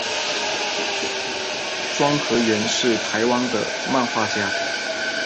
庄河源是台湾的漫画家。